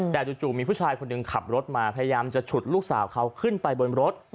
แต่จู่มีผู้ชายคนหนึ่งขับรถมาพยายามจะฉุดลูกสาวเขาขึ้นไปบนรถ